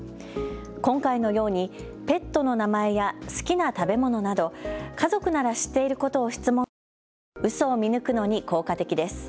今回のようにペットの名前や好きな食べ物など、家族なら知っていることを質問するのがうそを見抜くのに効果的です。